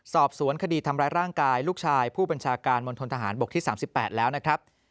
สอบสวนคดีทำร้ายร่างกายลูกชายผู้บัญชาการมณฑนทหารบกที่๓๘แล้วนะครับ